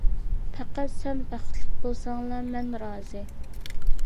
پەقەت سەن بەختلىك بولساڭلا مەن رازى.